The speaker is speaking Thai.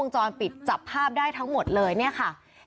เห็นจังหวะที่ผู้ก่อเหตุใช้มีดจุ้งแทงผู้เสียชีวิตแบบไม่ยั้งนะคะ